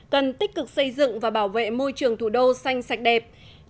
cần tích cực xây dựng và bảo vệ môi trường thủ đô xanh sạch đẹp